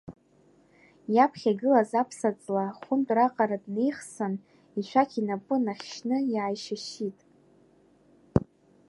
Иаԥхьа игылаз аԥсаҵла хәынтә раҟара днеихсын, ишәақь инапы нахьшьны иааишьышьиит.